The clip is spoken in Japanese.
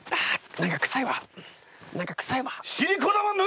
何か臭いわ。